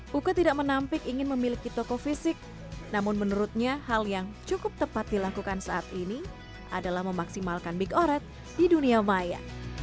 buka tidak menampik ingin memiliki toko fisik namun menurutnya hal yang cukup tepat dilakukan saat ini adalah memaksimalkan big oret di dunia maya